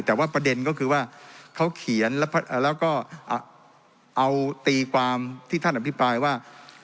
แต่ว่าประเด็นก็คือว่าเขาเขียนแล้วก็เอาตีความที่ท่านอภิปรายว่า